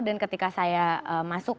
dan ketika saya masuk